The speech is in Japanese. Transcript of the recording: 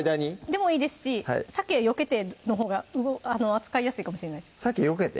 でもいいですしさけよけてのほうが扱いやすいかもしれないさけよけて？